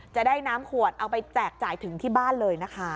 จะได้น้ำขวดเอาไปแจกจ่ายถึงที่บ้านเลยนะคะ